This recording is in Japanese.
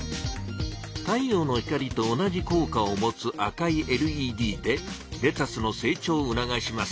太陽の光と同じこう果をもつ赤いＬＥＤでレタスの成長をうながします。